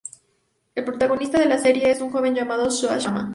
El protagonista de la serie es un joven llamado Shō Zama.